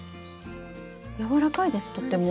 やわらかいですとっても。